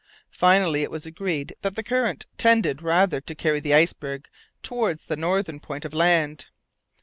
Finally, it was agreed that the current tended rather to carry the iceberg towards the northern point of land.